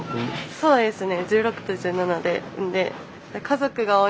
そうですね。